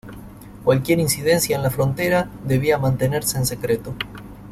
Cualquier incidencia en la frontera debía mantenerse en secreto.